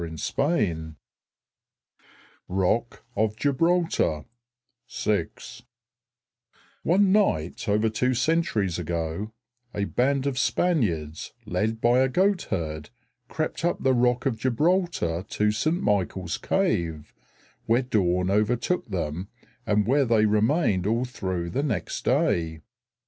[Illustration: ROCK OF GIBRALTAR] SPAIN AND GIBRALTAR Rock of Gibraltar SIX One night over two centuries ago a band of Spaniards, led by a goatherd, crept up the rock of Gibraltar to St. Michael's cave, where dawn overtook them, and where they remained all through the next day.